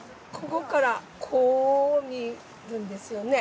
ここからこう見えるんですよね。